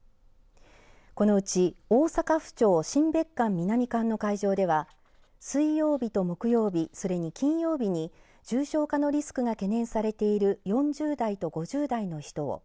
このうち大阪府庁新別館南館の会場では水曜日と木曜日それに金曜日に重症化のリスクが懸念されている４０代と５０代の人を。